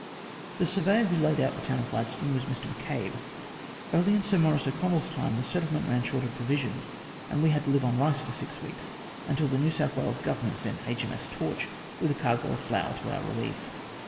"The surveyor who laid t out the town of Gladstone was Mr M'Cabe. Early in Sir Maurice O'Connell's time the settlement ran short of provisions, and we had to live on rice for six weeks, until the New South Wales Government sent II.M.S. Torch with a cargo of flour to our relief.